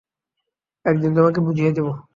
একদিন তোমাকে বুঝিয়ে দেবো।